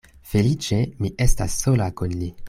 Feliĉe mi estas sola kun li.